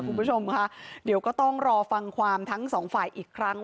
คุณผู้ชมค่ะเดี๋ยวก็ต้องรอฟังความทั้งสองฝ่ายอีกครั้ง